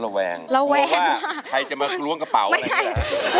กลัวว่าใครจะมากล่วงกระเป๋าอะไรเกียรติ